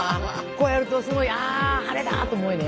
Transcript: こうやるとすごいあ晴れだと思うよね。